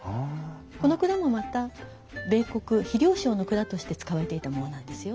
この蔵もまた米穀肥料商の蔵として使われていたものなんですよ。